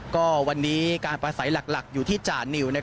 ก็วันนี้การประสัยหลักอยู่ที่จานิว